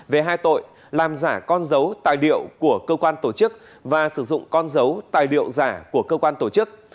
về hai tội làm giả con dấu tài liệu của cơ quan tổ chức và sử dụng con dấu tài liệu giả của cơ quan tổ chức